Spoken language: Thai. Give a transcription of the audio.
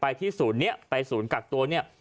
ที่ศูนย์นี้ไปศูนย์กักตัวเนี่ย